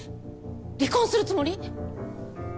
離婚するつもり？